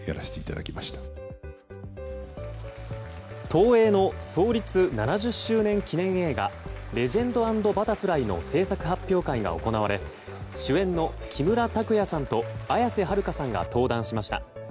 東映の創立７０周年記念映画「ＴＨＥＬＥＧＥＮＤ＆ＢＵＴＴＥＲＦＬＹ」の制作発表会が行われ主演の木村拓哉さんと綾瀬はるかさんが登壇しました。